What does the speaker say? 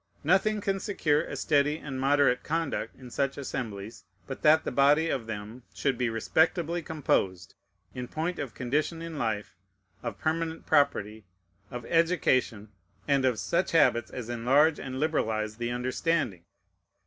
Nothing can secure a steady and moderate conduct in such assemblies, but that the body of them should be respectably composed, in point of condition in life, of permanent property, of education, and of such habits as enlarge and liberalize the understanding.